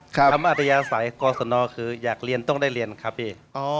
คำอัตยาศัยกรสนคืออยากเรียนต้องได้เรียนครับพี่